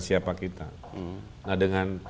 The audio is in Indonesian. siapa kita nah dengan